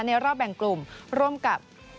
รอบแบ่งกลุ่มร่วมกับ